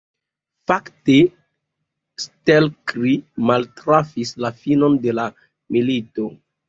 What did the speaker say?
Fakte, Stelkri maltrafis la finon de la milito.